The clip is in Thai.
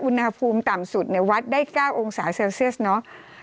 อุณหภูมิต่ำสุดวัดได้๙องศาเซลเซียสเนาะ